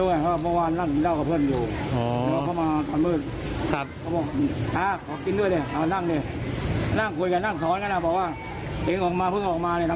เขาเพิ่งก่อเหตุอะไรมาครับถึงเขาติดช่วงตู่น่าแล้ว